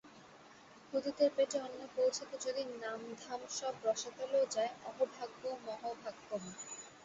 ক্ষুধিতের পেটে অন্ন পৌঁছাতে যদি নাম ধাম সব রসাতলেও যায়, অহোভাগ্য-মহোভাগ্যম্।